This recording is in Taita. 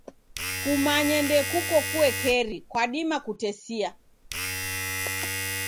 Kumanya ndokuko kuekeri kwadima kutesia.